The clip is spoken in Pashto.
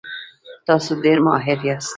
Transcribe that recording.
تاسو ډیر ماهر یاست.